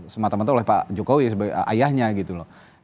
semata mata oleh pak jokowi sebagai ayahnya gitu loh